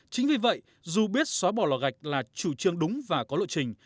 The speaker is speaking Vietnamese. chính vì vậy dù biết xóa bỏ lò gạch là chủ trương đúng và có lộ trình